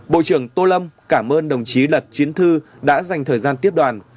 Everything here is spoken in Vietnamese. bộ trưởng tô lâm cảm ơn đồng chí lật chiến thư đã dành thời gian tiếp đoàn